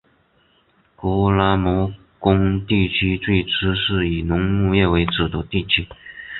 格拉摩根地区最初是以农牧业为主的地区。